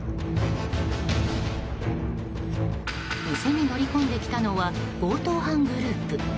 店に乗り込んできたのは強盗犯グループ。